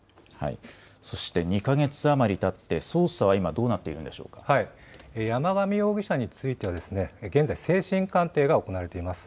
そして２か月余りたって、捜査は今、どうなっているんでしょ山上容疑者については、現在、精神鑑定が行われています。